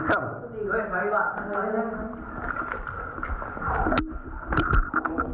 และวันไงมีคุณบ้าง